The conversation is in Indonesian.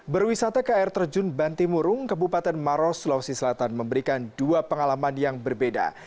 berwisata ke air terjun bantimurung kabupaten maros sulawesi selatan memberikan dua pengalaman yang berbeda